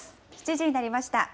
７時になりました。